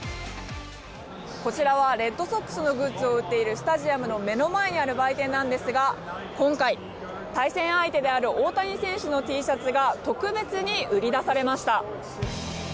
こちらはレッドソックスのグッズを売っているスタジアムの目の前にある売店なんですが今回、対戦相手である大谷選手のＴシャツが特別に売り出されました。